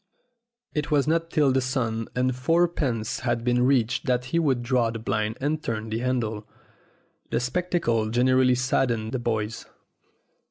It was not till the sum of fourpence had been reached that he would draw up the blind and turn the handle. The spectacle generally saddened the boys.